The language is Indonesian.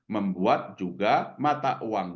membuat juga mata uang